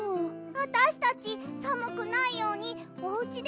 あたしたちさむくないようにおうちでおせわするよ。